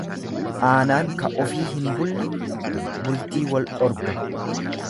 Aanaan ka'ufii hin bulle bultii wal dhorga.